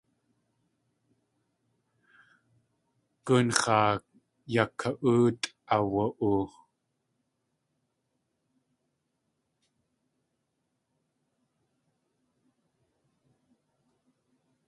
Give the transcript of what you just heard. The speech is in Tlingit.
Gunx̲aa yaka.óotʼ aawa.oo.